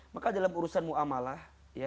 maka dalam urusan mu'amalah